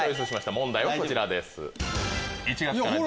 問題はこちらです。